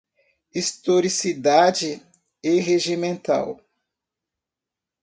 Historicidade e regimental